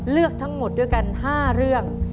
เลือกทั้งหมดด้วยกัน๕เรื่อง